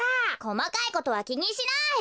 こまかいことはきにしない！